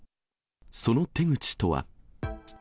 その手口とは。